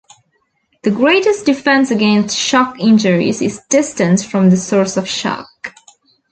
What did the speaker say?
The greatest defense against shock injuries is distance from the source of shock.